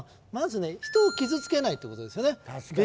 まずね人を傷つけないってことですよね